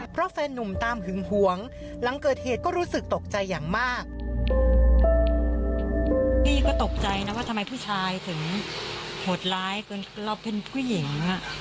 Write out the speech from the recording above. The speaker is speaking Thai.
เพราะแฟนหนุ่มตามหึงหวง